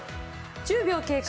１０秒経過。